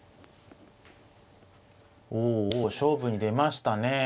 おお勝負に出ましたね。